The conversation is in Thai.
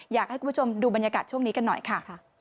อยากให้คุณผู้ชมดูบรรยากาศช่วงนี้กันหน่อยค่ะ